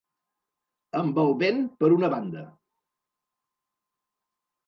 Amb el vent per una banda.